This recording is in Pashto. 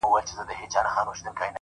زه يې رسته نه منم عقل چي جهرچي دی وايي;